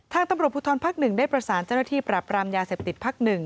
ตำรวจภูทรภักดิ์๑ได้ประสานเจ้าหน้าที่ปรับรามยาเสพติดภักดิ์๑